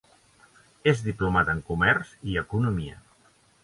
És diplomat en comerç i economia.